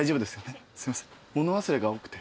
すいません物忘れが多くて。